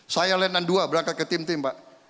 saya lantai dua berangkat ke tim tim pak